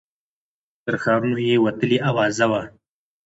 تر ښارونو یې وتلې آوازه وه